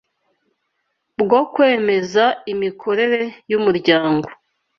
bwo kwemeza imikorere yumuryango